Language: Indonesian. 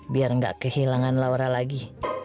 biar nggak kehilangan laura lagi